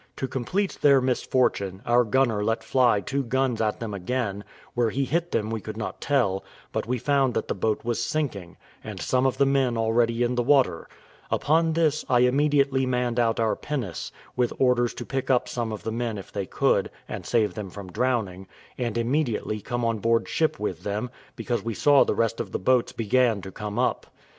To complete their misfortune, our gunner let fly two guns at them again; where he hit them we could not tell, but we found the boat was sinking, and some of the men already in the water: upon this, I immediately manned out our pinnace, with orders to pick up some of the men if they could, and save them from drowning, and immediately come on board ship with them, because we saw the rest of the boats began to come up.